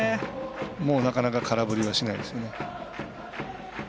もう、なかなか空振りはしないですよね。